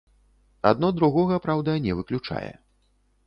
Адно другога, праўда, не выключае.